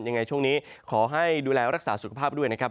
ยังไงช่วงนี้ขอให้ดูแลรักษาสุขภาพด้วยนะครับ